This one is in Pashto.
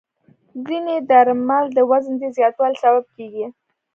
ځینې درمل د وزن د زیاتوالي سبب کېږي.